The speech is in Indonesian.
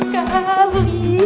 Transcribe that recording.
aku senang sekali